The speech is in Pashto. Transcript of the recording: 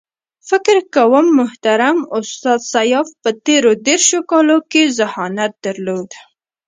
فکر کوم محترم استاد سیاف په تېرو دېرشو کالو کې ذهانت درلود.